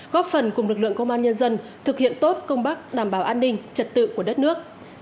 góp phần cùng lực lượng công an nhân dân thực hiện tốt công tác đảm bảo an ninh trật tự của đất nước